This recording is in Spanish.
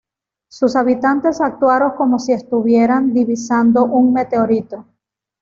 sus habitantes actuaron como si estuvieran divisando un meteorito